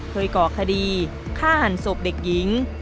ก่อคดีฆ่าหันศพเด็กหญิง